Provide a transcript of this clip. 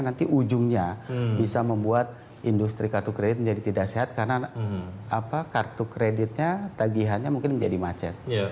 nanti ujungnya bisa membuat industri kartu kredit menjadi tidak sehat karena kartu kreditnya tagihannya mungkin menjadi macet